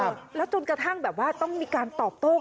อารมณ์ขึ้นถึงขั้นตะโกนท้าทายกลับไป